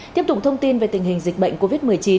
tiếp tục thông tin về tình hình dịch bệnh covid một mươi chín